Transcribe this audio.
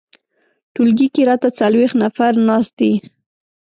ټولګي کې راته څلویښت نفر ناست دي.